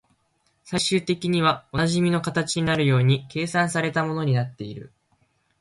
最終的にはおなじみの形になるように計算された物になっている